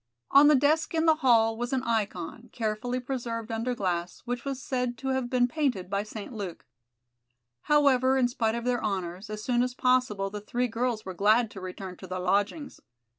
On the desk in the hall was an ikon, carefully preserved under glass, which was said to have been painted by St. Luke. However, in spite of their honors, as soon as possible the three girls were glad to return to their lodgings.